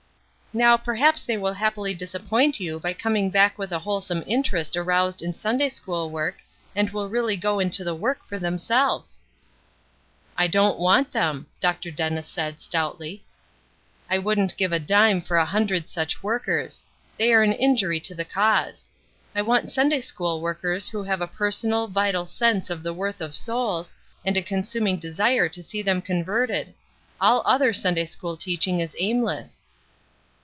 "Now perhaps they will happily disappoint you by coming back with a wholesome interest aroused in Sunday school work, and will really go into the work for themselves." "I don't want them," Dr. Dennis said, stoutly. "I wouldn't give a dime for a hundred such workers; they are an injury to the cause. I want Sunday school workers who have a personal, vital sense of the worth of souls, and a consuming desire to see them converted. All other Sunday school teaching is aimless."